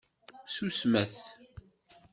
Ssusmet!